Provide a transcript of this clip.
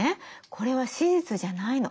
これは史実じゃないの。